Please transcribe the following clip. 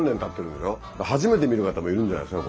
初めて見る方もいるんじゃないですか？